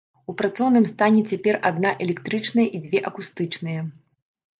У працоўным стане цяпер адна электрычная і дзве акустычныя.